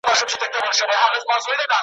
چي له لیري یې خوني پړانګ سو تر سترګو `